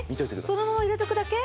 そのまま入れとくだけ？